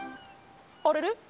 あれれ？